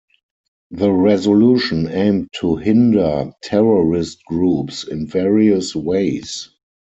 The resolution aimed to hinder terrorist groups in various ways.